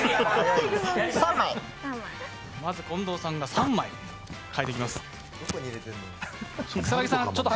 まず近藤さんが３枚、かえてきます。